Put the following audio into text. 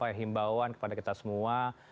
anda ingin berikan kepada kita semua